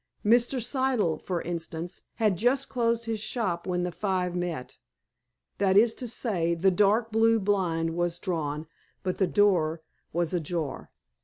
Mr. Siddle, for instance, had just closed his shop when the five met. That is to say, the dark blue blind was drawn, but the door was ajar.